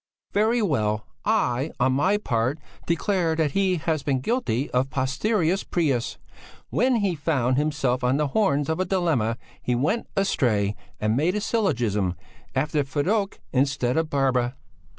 _ Very well! I, on my part, declare that he has been guilty of a posterius prius; when he found himself on the horns of a dilemma he went astray and made a syllogism after ferioque instead of barbara.